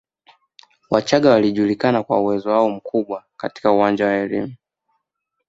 Wachaga wanajulikana kwa uwezo wao mkubwa katika uwanja wa elimu